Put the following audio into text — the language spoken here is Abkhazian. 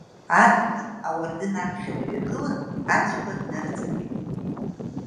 Адамыр ауардын аԥхьа дҩагылан, ацәқәа днарыҵаҟьеит…